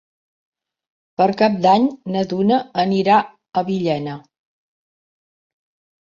Per Cap d'Any na Duna anirà a Villena.